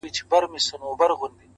و ذهن ته دي بيا د بنگړو شرنگ در اچوم ـ